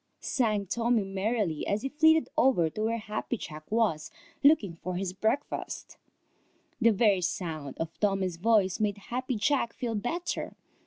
sang Tommy merrily, as he flitted over to where Happy Jack was looking for his breakfast. The very sound of Tommy's voice made Happy Jack feel better.